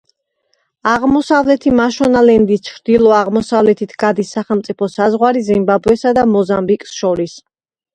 აღმოსავლეთი მაშონალენდის ჩრდილო-აღმოსავლეთით გადის სახელმწიფო საზღვარი ზიმბაბვესა და მოზამბიკს შორის.